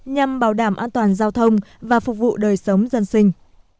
nhằm bảo đảm an toàn giao thông và phục vụ đời sống dân sinh